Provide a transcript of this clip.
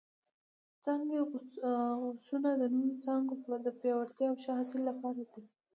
څانګې غوڅونه د نورو څانګو د پیاوړتیا او ښه حاصل لپاره ده.